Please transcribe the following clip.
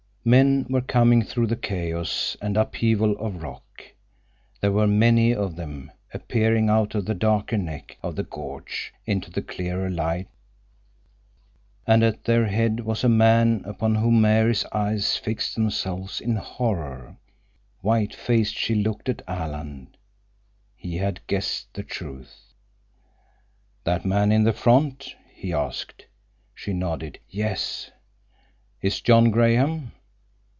Men were coming through the chaos and upheaval of rock. There were many of them, appearing out of the darker neck of the gorge into the clearer light, and at their head was a man upon whom Mary's eyes fixed themselves in horror. White faced she looked at Alan. He had guessed the truth. "That man in front?" he asked. She nodded. "Yes." "Is John Graham."